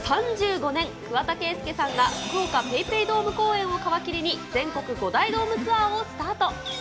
３５年、桑田佳祐さんが福岡ペイペイドーム公演を皮切りに、全国５大ドームツアーをスタート。